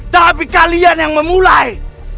tapi kalian yang memulai